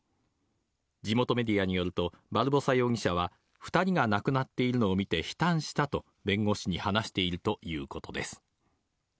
地元メディアによると、バルボサ容疑者は、２人が亡くなっているのを見て悲嘆したと、弁護士に話しているということです。